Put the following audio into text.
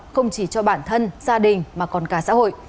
không chỉ cho bản thân gia đình mà còn cả xã hội